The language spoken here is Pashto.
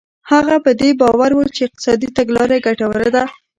هغه په دې باور و چې اقتصادي تګلاره یې ګټوره ده.